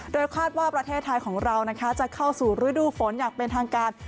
โดยคาดว่าประเทศไทยของเราจะเข้าสู่ฤดูฝนอย่างเป็นทางการ